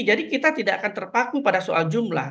jadi kita tidak akan terpaku pada soal jumlah